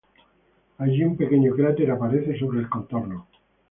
Allí un pequeño cráter aparece sobre el contorno.